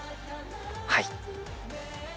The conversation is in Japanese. はい。